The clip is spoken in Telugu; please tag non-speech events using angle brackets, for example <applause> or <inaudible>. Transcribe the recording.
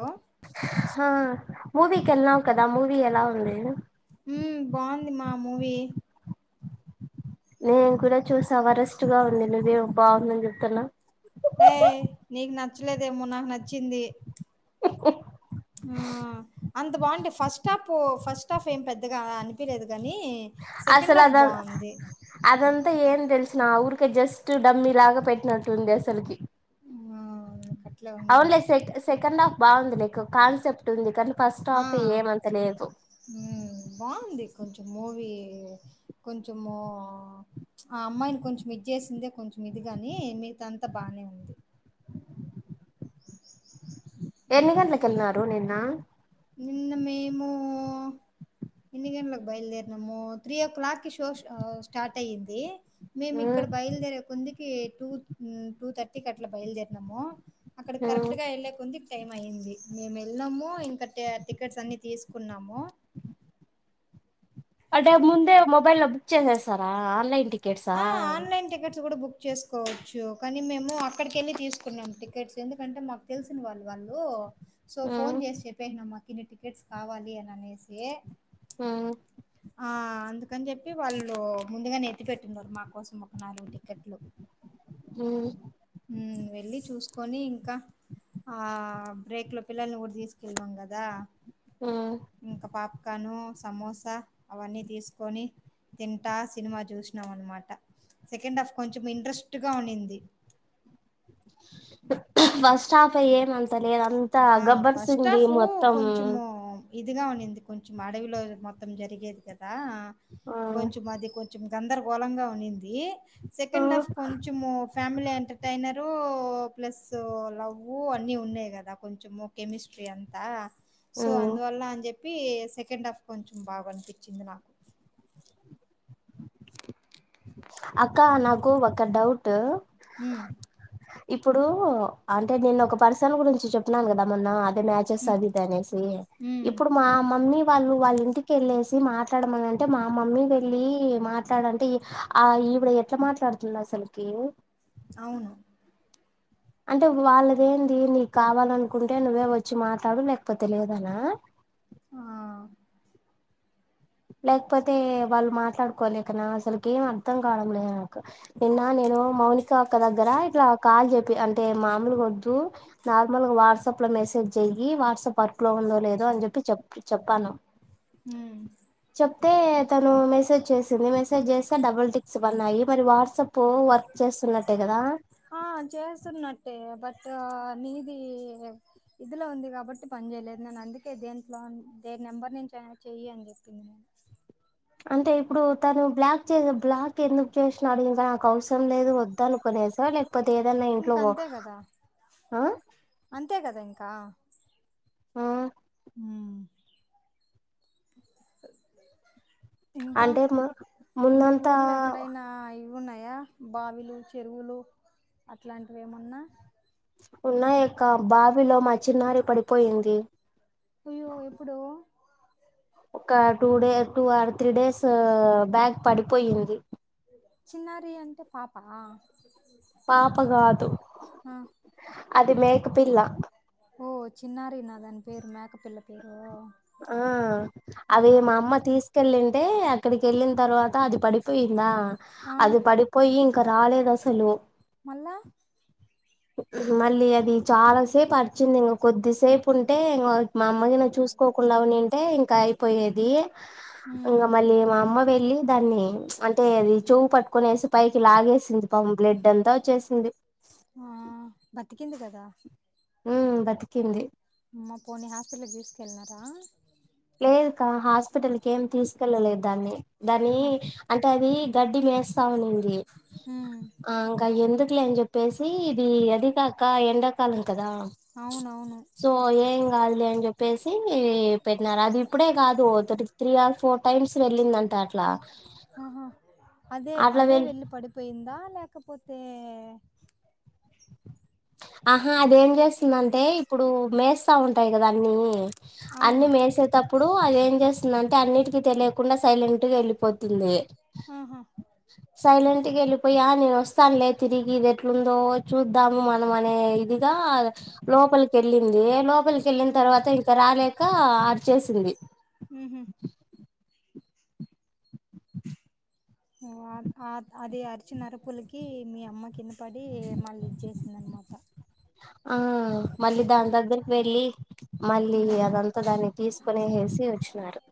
హలో హా మూవికి ఎలావ్ కదా మూవి ఎలా ఉంది ఉ బాగుంది మా మూవీ నేను కూడా చూసా వరెస్ట్ గా ఉంది నువ్వే బాగుందని చెప్తున్నా ఏయ నీకు నచ్చలేదేమో నాకు నచ్చింది ఆ అంత బాగుంటే ఫస్ట్ హాఫ్ ఫస్ట్ హాఫ్ ఏం పెద్దగా అనిపిలేదు కానీ సెకండ్ అసలు హఫ్ అద బాగుంది నా ఊరిక జస్ట్ డమ్మి లాగా పెట్టినట్టుంది అసలుకి ఆ నీకు అట్లే ఉందిలే అవున్లే సె సెకండ ఆఫ్ బాగుంది క్ కాన్సెప్ట్ ఉంది కానీ ఫస్ట్ ఆ హాఫ్ ఏమంత లేదు బాగుంది కొంచెం మూవీ కొంచెము ఆ అమ్మాయిని కొంచెం ఇద్ చేసిందే కొంచెం ఇదిగాని మిగత అంతా బానే ఉంది ఎన్ని గంటలకి వెళ్ళినారు నిన్న నిన్న మేము ఎన్ని గంటలకు బయలుదేరినాము త్రీ ఓ క్లాక్కి షో స్టార్ట్ అయ్యంది మేము మ్మ్ ఇక్కడ బయలుదేరేకుంది టూ టూ తర్టీకి అట్లా బయలుదేర్ణమో అక్కడ హ్మ్ కరెక్ట్ గా వెళ్లే కొంది టైం అయ్యింది మేము వెళ్ళినము ఇంకా టికెట్స్ అన్ని తీసుకున్నాము అంటే ముందే మొబైల్ లో బుక్ చేసేస్తారా ఆన్లైన్ టికెట్సా ఆ, ఆన్లైన్ టికెట్స్ కూడా బుక్ చేసుకోవచ్చు కానీ మేము అక్కడికి వెళ్ళి తీసుకున్నాం టికెట్స్ ఎందుకంటే మాకు తెలిసిన వాళ్ళు వాళ్ళు సో ఫోన్ మ్మ్ చేసి చెప్పేసినాం ఇన్ని టికెట్స్ కావాలి అని అనేసి ఉమ్ ఆ అందుకని చెప్పి వాళ్ళు ముందుగా నెత్తి పెట్టిన్నారు మాకు కోసం ఒక నాలుగు టికెట్లు హ్మ్ హ వెళ్ళి చూసుకొని ఇంకా ఆ బ్రేక్ లో పిల్లల్ని కూడా తీసుకెళ్ళలాం కదా హ్మ్ ఇంకా పాప్కాను సమోసా అవన్నీ తీసుకొని తింటా సినిమా చూసినాం అనమాట సెకండ్ హఫ్ కొంచెం ఇంట్రెస్ట్గా ఉనింది ఫస్ట్ హాఫ్ ఏ అంత నేనంతా ఆ! గబ్బర్సింది మొత్తం ఇదిగ ఉండంది కొంచెం అడవిలో మొత్తం జరిగేది కదా ఆ కొంచం అది కొంచం ఇది గందర్ గోళంగా ఉనింది సెకండ్ ఆఫ్ కొంచము ఫ్యామిలీ అంటె ట్రైనరు ఓ ప్లస్ లవ్వు అన్ని ఉన్నాయి గదా కొంచము కెమిస్ట్రీ అంతా సో మ్మ్ అందువల్ల అన్ జెప్పి ప్పి సెకండ్ ఆఫ్ కొంచెం బాగ అనిపించ్చింది నాకు అక్క నాకు ఒక డౌట్ ట్ మ్ ఇప్పుడూ అంటే నేను ఒక పర్సన్ గురించి చెప్పునాను గదా మొన్న అంటే మ్యాచెస్ హ్మ్. అవి దనేసి హ్మ్. ఇప్పుడు మా మమ్మీ వాళ్ళు వాళ్ళ ఇంటికిళ్ళేసి మాట్లాడమని అంటే మా మమ్మీ వెళ్ళీ మాట్లాడంటే ఆ ఆ ఈవ్డె ఎట్ల మాట్లాడుతుంది అస ల్కి అవును అంటే వాళ్ళదేంది నీకు కావాలనుకుంటే నువ్వే వచ్చి మాట్లాడు లేకపోతే లేదు అనా ఆ లేకపోతే వాళ్ళు మాట్లాడుకోలేకనా అసలికి ఏం అర్థం కావడంలేదు అక్క నిన్న నేను మౌనిక అక్క దగ్గర ఇట్ల కాల్ జెపి అంటే మాముల్ గొద్దు నార్మల్గా వాట్సాప్ లో మెసేజ్ చెయ్యి వాట్సాప్ వర్కులో ఉందో లేదో అని చెప్పి చె చెప్పాను ఊ అంతే తనూ మెసేజ్ చేసింది మెసేజ్ చేస్తే డబుల్ టిక్స్ పడినాయి మరి వాట్సాప్ వర్క్ చేస్తున్నట్టే కదా ఆ చేస్తున్నట్టే బట్ నీది ఇదిలో ఉంది కాబట్టి పని చేయలేదు నేను అందుకే దేంట్లో దేని నెంబర్ నుంచి అయిన చెయ్యి అంది అంటే ఇప్పుడు తను బ్లాక్ చేయు బ్లాక్ ఎందుకు చేసినాడు ఇగ నాకు అవసరం లేదు వద్దనికొనేసా లేక పోతే ఏదన్నా ఇంక ఇంట్లో అంతే ఆయ్ అంతె గదా ఇంకా ఊ ఊ అ <inaudible> ఇంక అంటే ము మీ ఊర్లో ముందంతా ఎక్కడైనా ఇ ఉన్నయా బావిలు చెరువులు అట్లాంటివి ఏమున్నా ఉన్నాయక్క బావిలో మా చిన్నారి పడిపోయింది అయ్యో ఎప్పుడూ ఒక two day two or three days back పడిపోయింది చిన్నారి అంటే పాప ఆ పాప గాదు ఆ అది మేక పిల్ల ఓ చిన్నారి నా దాని పేరు మేక పిల్ల పేరూ ఆ అవి మా అమ్మ తీసుకెళ్ళింది ఏ అక్కడికి ఎళ్ళిన తర్వాత అది పడిపోయిందా ఆ అది పడిపోయి కా రాలేదు అసలు మల్లా మళ్ళీ అది చాలాసేపు అరిచింది ఇంగ కొద్దిసేపు ఉంటే ఇంగో మా అమ్మది నేను చూసుకోకుండానింటే ఇంకా అయిపోయేదీ ఇంగా ఉమ్ మళ్ళీ మా అమ్మ వెళ్ళి దాన్ని అంటే అది చెవు పట్టుకునేసి పైకి లాగేసింది పాపం బ్లడ్ అంతా వచ్చేసింది ఆ బతికింద కదా ఉ బతికింది అమ్మ పోనీ హాస్పిటల్కి తీసుకెళ్ళినారా లేదు కా హాస్పిటల్కి ఏమి తీసుకెళ్ళలేదు దాన్ని దాని ఆ, అంటే అది గడ్డి మెస్ తా ఉన్నింది ఉమ్ ఇంకా ఎ ఎందుకులేని చెప్పేసి ఇది అదికాక ఎండాకాలం కదా అవునవును సో ఏం కాదులే అని చెప్పేసి పే అది ఇప్పుడే కాదు తర్ త్రీ ఆర్ ఫోర్ టైమ్స్ వెళ్ళింది అంట అట్లా ఆహా అట్లా వె కిందా లేకపోతే ఆహా అదేం చేసిందాంటే ఇప్పుడు మేస్తా ఉంటాయి కదా అన్ని అన్ని అవును మేసేటప్పుడు అది ఏం చేసిందంటే అన్నిటికి తెలియకుండా సైలెంట్ గా వెళ్ళిపోతుంది ఆహా సైలెంట్ వెళ్ళిపోయా నేను వస్తానులేదు తిరిగి ఇది ఎట్లుందో చూద్దాము మన ము అనే ఇదిగా లోపలిక వెళ్ళింది లోప లోపలికి వెళ్ళిన ఉమ్ తర్వాత ఇంకా రాలేక అరిచేసింది ఉహు ఆ అది అరిచినరపులకి మీ అమ్మ కింద పడి మళ్ళీ ఇది చేసిందనమాట ఆ మళ్ళీ దాని దగ్గరికి వెళ్ళి మళ్ళీ అదంతా దాన్ని తీసుకునేసి వచ్చినారు